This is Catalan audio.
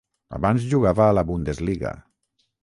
Abans jugava a la Bundesliga.